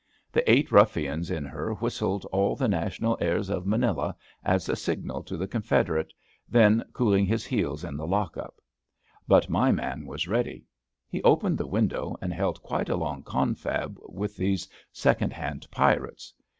The eight ruflSans in her whistled all the national airs of Manila as a signal to the con federate, then cooling his heels in the lock up. But my man was ready. He opened the window and held quite a long confab with these second hand pirates.